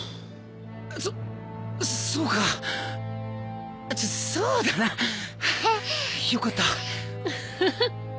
そそうかそそうだなよかったウフフ